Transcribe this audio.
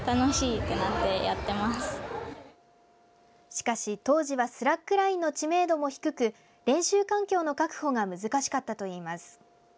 しかし、当時はスラックラインの知名度も低く練習環境の確保が難しかったといいます。